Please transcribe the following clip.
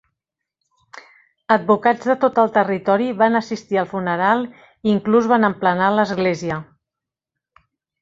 Advocats de tot el territori van assistir al funeral i inclús van emplenar l'església.